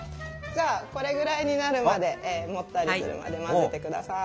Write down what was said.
じゃあこれぐらいになるまでもったりするまで混ぜてください。